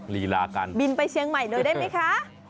ลีลาการบินไปเชียงใหม่เลยได้ไหมคะ